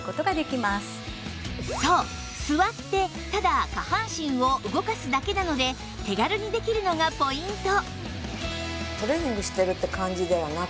そう座ってただ下半身を動かすだけなので手軽にできるのがポイント